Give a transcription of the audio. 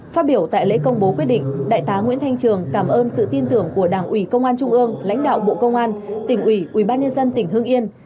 phát biểu tại lễ công bố quyết định đại tá nguyễn thanh trường cảm ơn sự tin tưởng của đảng ủy công an trung ương lãnh đạo bộ công an tỉnh ủy ủy ban nhân dân tỉnh hưng yên